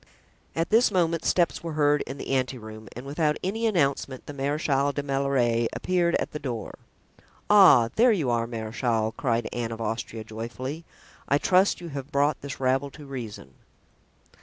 At this moment steps were heard in the ante room and without any announcement the Marechal de la Meilleraie appeared at the door. "Ah, there you are, marechal," cried Anne of Austria joyfully. "I trust you have brought this rabble to reason."